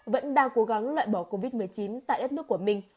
vẫn đang cố gắng loại bỏ covid một mươi chín tại đất nước của mình